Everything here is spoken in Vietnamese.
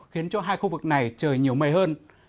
khiến cho hai khu vực này trời nhiều mây hơn